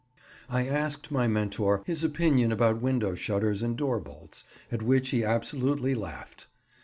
I asked my mentor his opinion about window shutters and door bolts, at which he absolutely laughed.